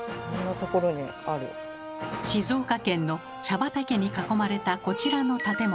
静岡県の茶畑に囲まれたこちらの建物。